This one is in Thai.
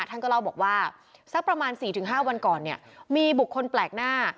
ท่านก็เล่าบอกว่าสักประมาณ๔๕วันก่อนเนี่ยมีบุคคลแปลกหน้า